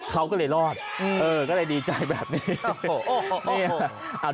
เขาก็เลยรอดอืมเออก็เลยดีใจแบบนี้โอ้โหโอ้โห